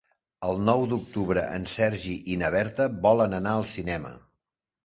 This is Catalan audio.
El nou d'octubre en Sergi i na Berta volen anar al cinema.